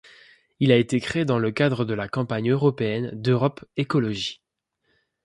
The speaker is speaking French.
Il a été créé dans le cadre de la campagne européenne d'Europe Écologie.